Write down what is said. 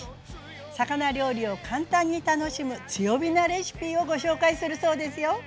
魚料理を簡単に楽しむ強火なレシピをご紹介するそうですよ。